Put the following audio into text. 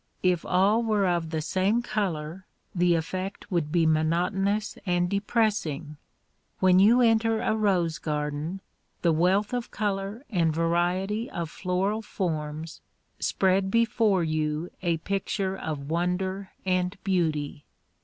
If all were of the same color the effect would be monotonous and depressing. When you enter a rose garden the wealth of color and variety of floral forms spread before you a picture of wonder and beauty.